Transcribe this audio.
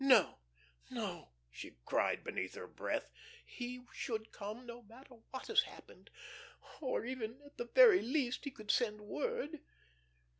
"No, no," she cried, beneath her breath. "He should come, no matter what has happened. Or even, at the very least, he could send word."